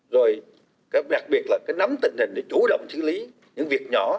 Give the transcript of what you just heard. rồi đặc biệt là nắm tình hình để chủ động chứa lý những việc nhỏ